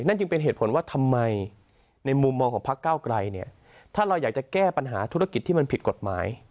นั่นจึงเป็นเหตุผลว่าทำไมในมุมมองของพักเก้าไกลเนี่ยถ้าเราอยากจะแก้ปัญหาธุรกิจที่มันผิดกฎหมาย